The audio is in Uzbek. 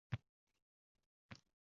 Ammo u yo’q edi.